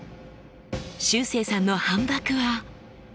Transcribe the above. しゅうせいさんの反ばくは。